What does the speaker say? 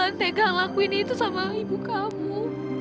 jangan tega lakuin itu sama ibu kamu